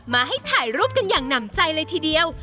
มาให้ถ่ายรูปกันอย่างหนำใจเลยทีเดียว